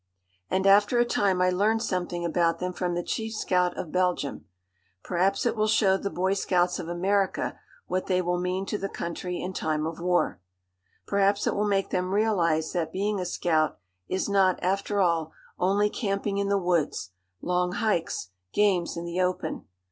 And after a time I learned something about them from the Chief Scout of Belgium; perhaps it will show the boy scouts of America what they will mean to the country in time of war. Perhaps it will make them realise that being a scout is not, after all, only camping in the woods, long hikes, games in the open.